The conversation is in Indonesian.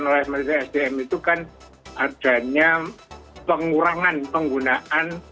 oleh kementerian asdm itu kan adanya pengurangan penggunaan